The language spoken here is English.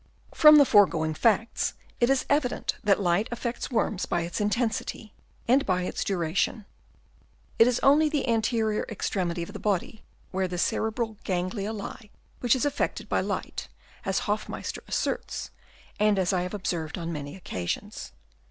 From the foregoing facts it is evident that light affects worms by its intensity and by its duration. It is only the anterior extremity of the body, where the cerebral ganglia lie, which is affected by light, as Hoffmeister asserts, and as I observed on many occasions.